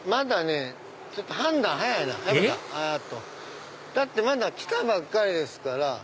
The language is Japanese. えっ？だってまだ来たばっかりですから。